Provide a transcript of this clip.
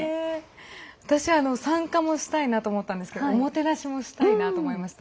私は参加もしたいなと思ったんですけどもてなしもしたいと思いました。